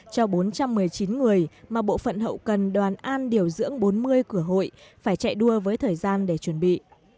cho bốn trăm một mươi chín người mà bộ phận hậu cần đoàn an điều dưỡng bốn mươi cửa hội phải chạy đua với thời gian để chuẩn bị